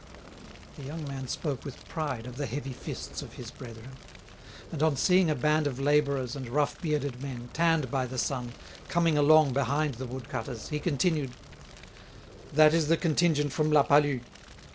The young man spoke with pride of the heavy fists of his brethren. And on seeing a band of labourers and rough bearded men, tanned by the sun, coming along behind the woodcutters, he continued: "That is the contingent from La Palud.